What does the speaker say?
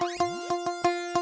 aku mau ke sana